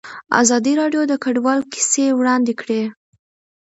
ازادي راډیو د کډوال کیسې وړاندې کړي.